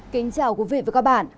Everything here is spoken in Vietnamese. kính chào quý vị và các bạn